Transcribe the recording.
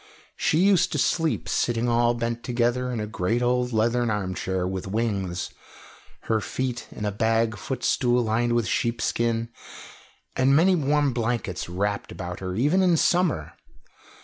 She used to sleep sitting all bent together in a great old leathern arm chair with wings, her feet in a bag footstool lined with sheepskin, and many warm blankets wrapped about her, even in summer.